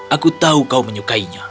aku tahu kau menyukainya